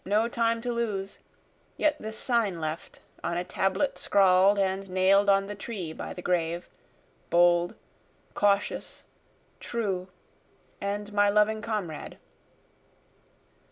no time to lose yet this sign left, On a tablet scrawl'd and nail'd on the tree by the grave, Bold, cautious, true, and my loving comrade.